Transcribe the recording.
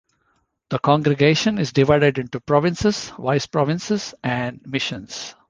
The congregation is divided into provinces, vice-provinces and missions.